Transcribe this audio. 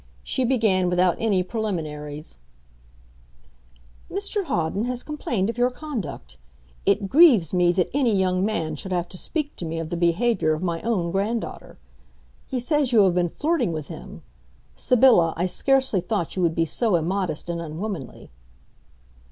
She began without any preliminaries: "Mr Hawden has complained of your conduct. It grieves me that any young man should have to speak to me of the behaviour of my own grand daughter. He says you have been flirting with him. Sybylla, I scarcely thought you would be so immodest and unwomanly."